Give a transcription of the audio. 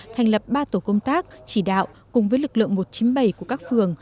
thành lập ba tổ công tác chỉ đạo cùng với lực lượng một trăm chín mươi bảy của các phường